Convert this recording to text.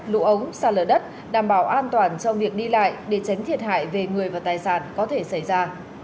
lũ ống sạt lở đất đảm bảo an toàn trong việc đi lại để tránh thiệt hại về người và tài sản có thể xảy ra